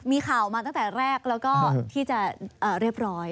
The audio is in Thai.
มีข่าวมาตั้งแต่แรกแล้วก็ที่จะเรียบร้อย